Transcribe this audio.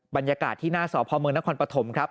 บรรยากาศที่หน้าสพมนครปฐมครับ